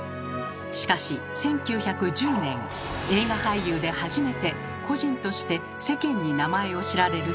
しかし１９１０年映画俳優で初めて個人として世間に名前を知られるスターが現れます。